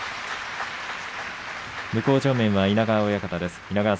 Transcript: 向正面は稲川親方です。